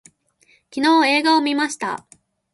昨日映画を見ました